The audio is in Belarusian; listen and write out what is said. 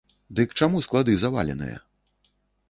Дык чаму склады заваленыя?